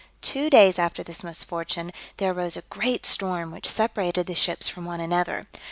Two days after this misfortune, there arose a great storm, which separated the ships from one another.